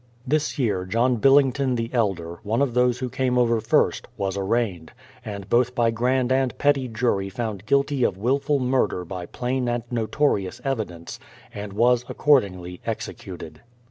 This year John BilUngton the elder, one of those who came over first, was arraigned, and both by grand and petty jury found guilty of wilful murder by plain and notorious evidence, and was accordingly executed.